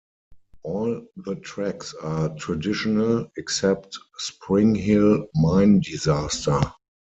All the tracks are traditional except "Springhill Mine Disaster".